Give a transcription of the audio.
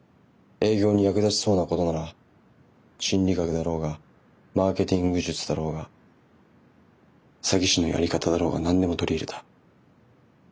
営業に役立ちそうなことなら心理学だろうがマーケティング術だろうが詐欺師のやり方だろうが何でも取り入れた。